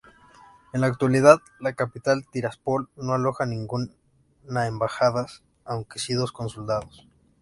En la actualidad, la capital Tiráspol no aloja ninguna embajadas, aunque si dos consulados.